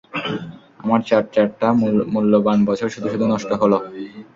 আমার চার-চারটা মূল্যবান বছর শুধু শুধু নষ্ট হলো!